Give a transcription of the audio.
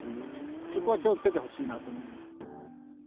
そこは気をつけてほしいなと思います。